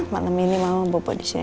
malam ini mama bawa bawa disini